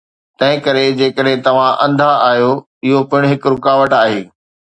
تنهن ڪري، جيڪڏهن توهان انڌا آهيو، اهو پڻ هڪ رڪاوٽ آهي